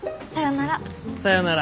さよなら。